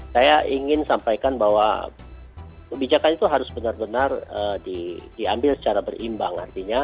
saya ingin sampaikan bahwa kebijakan itu harus benar benar diambil secara berimbang